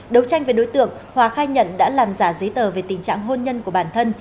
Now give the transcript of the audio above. đấu tranh với đối tượng hòa khai nhận đã làm giả giấy tờ về tình trạng hôn nhân của bản thân